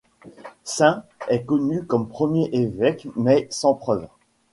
Saint est connu comme premier évêque mais sans preuve.